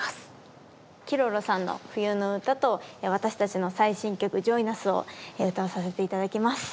Ｋｉｒｏｒｏさんの「冬のうた」と私たちの最新曲「ＪｏｉｎＵｓ！」を歌わさせて頂きます。